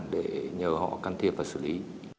để nhờ họ can thiệp và xử lý